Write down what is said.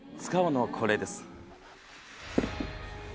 使うのはこれです。